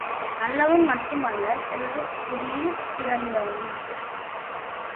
நல்லவன் மட்டுமல்ல, செல்வக் குடியில் பிறந்தவன்.